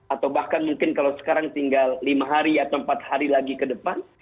atau bahkan mungkin kalau sekarang tinggal lima hari atau empat hari lagi ke depan